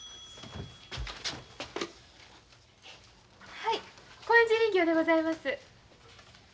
☎はい興園寺林業でございます。